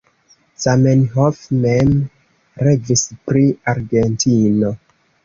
Zamenhof mem revis pri Argentino.